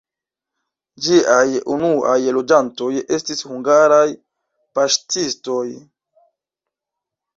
Ĝiaj unuaj loĝantoj estis hungaraj paŝtistoj.